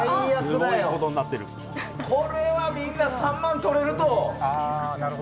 これはみんな、３万とれると。